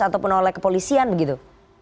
ataupun oleh kepolisian begitu